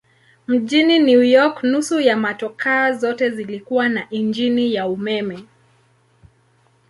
Mjini New York nusu ya motokaa zote zilikuwa na injini ya umeme.